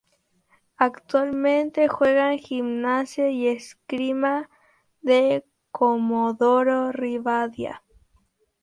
Actualmente juega en Gimnasia y Esgrima de Comodoro Rivadavia.